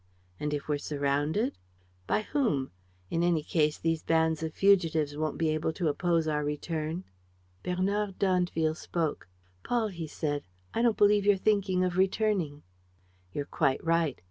"And, if we're surrounded?" "By whom? In any case, these bands of fugitives won't be able to oppose our return." Bernard d'Andeville spoke: "Paul," he said, "I don't believe you're thinking of returning." "You're quite right.